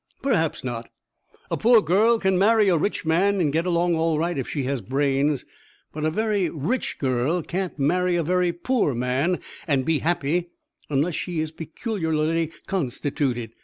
"Perhaps not. A poor girl can marry a rich man and get along all right if she has brains; but a very rich girl can't marry a very poor man and be happy unless she is peculiarly constituted.